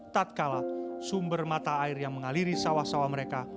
tatkala sumber mata air yang mengaliri sawah sawah mereka